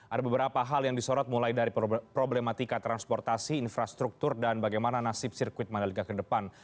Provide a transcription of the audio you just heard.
ada beberapa hal yang disorot mulai dari problematika transportasi infrastruktur dan bagaimana nasib sirkuit mandalika ke depan